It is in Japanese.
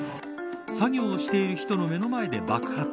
作業をしている人の目の前で爆発。